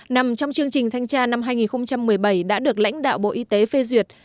nằm trong chương trình thanh tra năm hai nghìn một mươi bảy đã được lãnh đạo bộ y tế phê duyệt